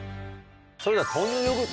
それでは豆乳ヨーグルト